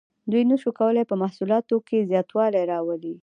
دوی نشو کولی په محصولاتو کې زیاتوالی راولي.